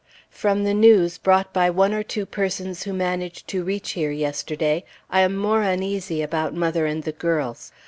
From the news brought by one or two persons who managed to reach here yesterday, I am more uneasy about mother and the girls.